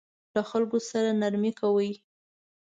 له خلکو سره نرمي کوئ